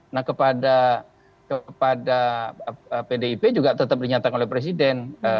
nah kepada pdip juga tetap dinyatakan oleh presiden